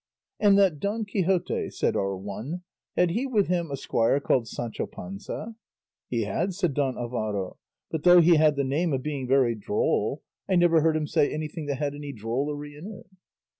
"And that Don Quixote—" said our one, "had he with him a squire called Sancho Panza?" "He had," said Don Alvaro; "but though he had the name of being very droll, I never heard him say anything that had any drollery in it."